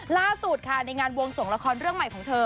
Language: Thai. ล่าสุดค่ะในงานวงส่งละครเรื่องใหม่ของเธอ